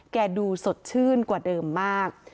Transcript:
ดูสดชื่นกว่าเดิมมาก